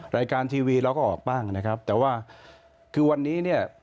รายการทีวีเราก็ออกบ้างนะครับแต่ว่าคือวันนี้เนี่ย